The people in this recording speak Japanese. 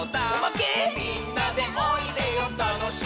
「みんなでおいでよたのしいよ」